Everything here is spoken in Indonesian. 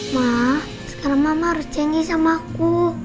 ma sekarang mama harus janji sama aku